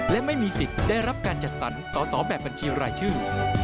และไม่มีสิทธิ์ได้รับการจัดสรรสอสอแบบบัญชีรายชื่อ